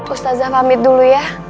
ustadzah pamit dulu ya